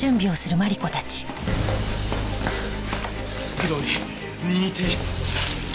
工藤に任意提出させました。